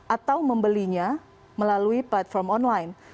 atau membelinya melalui platform online